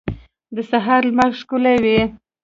د سهار لمر ښکلی وي.